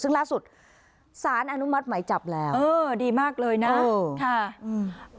ซึ่งล่าสุดสารอนุมัติหมายจับแล้วเออดีมากเลยนะค่ะอืม